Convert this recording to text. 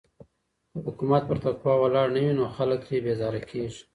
که حکومت پر تقوی ولاړ نه وي نو خلګ ترې بېزاره کيږي.